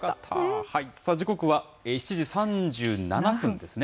時刻は７時３７分ですね。